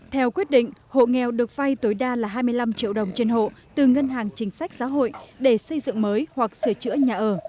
theo quyết định hộ nghèo được vay tối đa là hai mươi năm triệu đồng trên hộ từ ngân hàng chính sách xã hội để xây dựng mới hoặc sửa chữa nhà ở